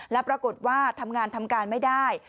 แล้วปรากฏว่าทำงานทำการไม่ได้